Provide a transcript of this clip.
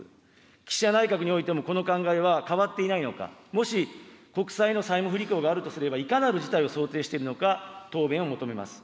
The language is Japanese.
岸田内閣においてもこの考えは変わっていないのか、もし国債の債務不履行があるとすれば、いかなる事態を想定しているのか、答弁を求めます。